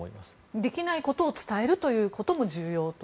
できないことを伝えることも重要と。